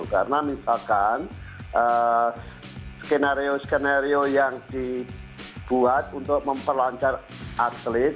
karena misalkan skenario skenario yang dibuat untuk memperlancar atlet